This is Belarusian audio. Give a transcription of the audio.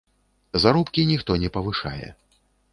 Заробкі ніхто не павышае.